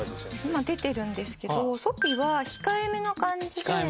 今出てるんですけど「そぴ」は控えめな感じで。